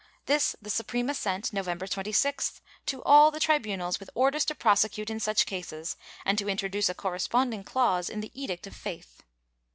^ This the Suprema sent, November 26th, to all the tribunals with orders to prosecute in such cases, and to introduce a corresponding clause in the Edict of Faith.